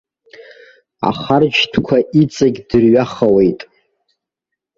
Ахарџьтәқәа иҵегь дырҩахауеит.